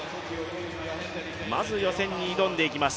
まず予選に挑んでいきます